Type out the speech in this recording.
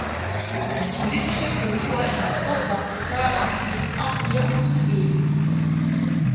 Um die politische Kultur in Weißrussland zu fördern, müssen auch wir uns bewegen.